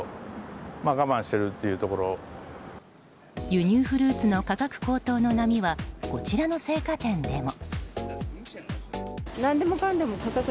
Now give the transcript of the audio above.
輸入フルーツの価格高騰の波はこちらの青果店でも。